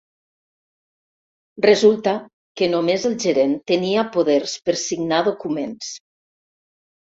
Resulta que només el gerent tenia poders per signar documents.